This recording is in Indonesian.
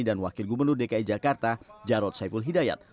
dan wakil gubernur dki jakarta jarod saiful hidayat